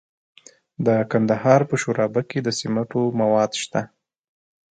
د کندهار په شورابک کې د سمنټو مواد شته.